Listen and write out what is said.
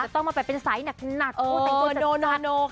ต้องมาเป็นไซส์หนักโอ้โหโนโนโค่ะ